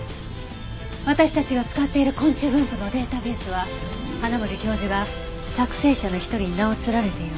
私たちが使っている昆虫分布のデータベースは花森教授が作成者の一人に名を連ねているわ。